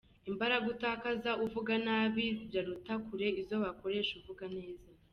Imbaraga utakaza uvuga nabi ziraruta kure izo wakoresha uvuga neza.